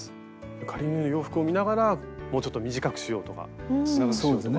仮縫いの洋服を見ながらもうちょっと短くしようとか長くしようとか。